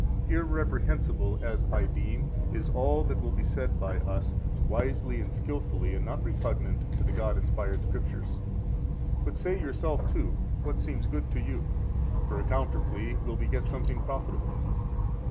A. Irreprehensible as I deem is all that will be said by us, wisely and skilfully and not repugnant to the God inspired Scriptures. But say, yourself too, what seems good to you: for a counter plea will beget something profitable.